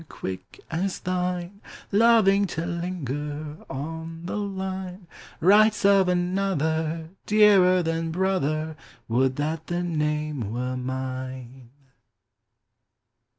Quick as thine, Loving to linger On the line, Writes of another, Dearer than brother: Would that the name were mine!